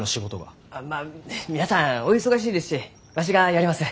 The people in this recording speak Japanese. まあ皆さんお忙しいですしわしがやります。